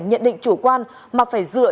nhận định chủ quan mà phải dựa